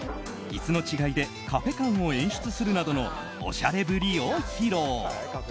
椅子の違いでカフェ感を演出するなどのおしゃれぶりを披露。